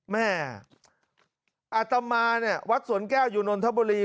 แม่อาตมาเนี่ยวัดสวนแก้วอยู่นนทบุรี